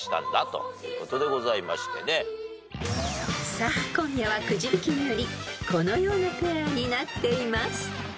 ［さあ今夜はくじ引きによりこのようなペアになっています］